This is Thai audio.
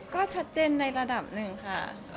ก็ชัดเจนในระดับหนึ่งค่ะ